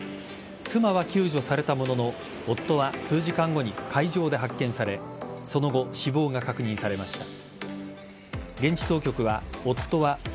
妻は救助されたものの夫は数時間後に海上で発見されその後、死亡が確認されました。